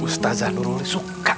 sm para suku